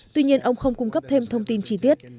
tuy nhiên ông không cung cấp thêm thông tin chi tiết